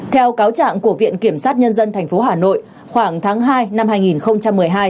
theo cáo trạng của viện kiểm sát nhân dân tp hà nội khoảng tháng hai năm hai nghìn một mươi hai